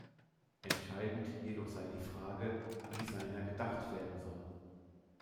Entscheidend jedoch sei die Frage, wie seiner gedacht werden soll.